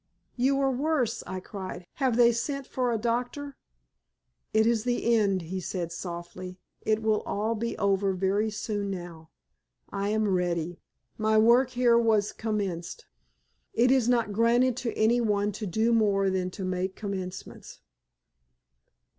"You are worse," I cried. "Have they sent for a doctor?" "It is the end," he said, softly. "It will all be over very soon now. I am ready. My work here was commenced. It is not granted to any one to do more than to make commencements.